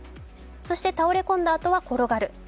そして倒れ込んだあとは転がる。